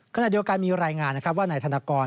ขณะเดียวกันมีรายงานนะครับว่านายธนกร